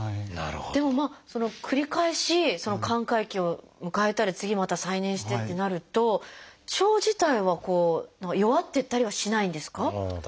でも繰り返し寛解期を迎えたり次また再燃してってなると腸自体はこう弱ってったりはしないんですか？